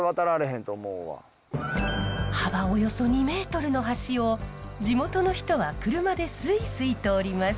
幅およそ２メートルの橋を地元の人はクルマですいすい通ります。